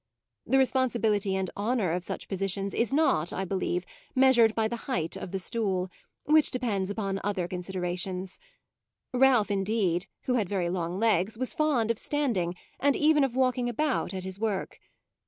The responsibility and honour of such positions is not, I believe, measured by the height of the stool, which depends upon other considerations: Ralph, indeed, who had very long legs, was fond of standing, and even of walking about, at his work.